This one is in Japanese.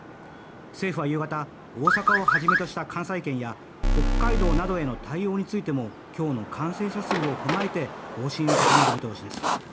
政府は夕方大阪をはじめとした関西圏や北海道などへの対応についても今日の感染者数を踏まえて方針を固める見通しです。